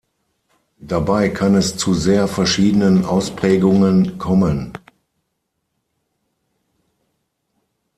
Dabei kann es zu sehr verschiedenen Ausprägungen kommen.